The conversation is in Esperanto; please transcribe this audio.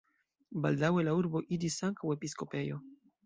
Baldaŭe la urbo iĝis ankaŭ episkopejo.